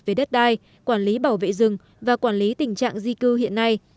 về đất đai quản lý bảo vệ rừng và quản lý tình trạng di cư hiện nay